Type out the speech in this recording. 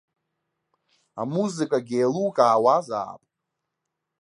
Амузыкагьы еилукаауазаап.